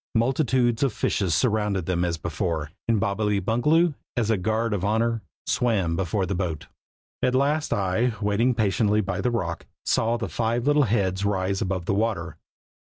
Multitudes of fishes surrounded them as before, and Bobbily Bungaloo, as a guard of honor, swam before the boat. At last I, waiting patiently by the rock, saw the five little heads rise above the water.